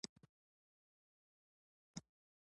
مه ډارېږئ دا خو باز استاد دی.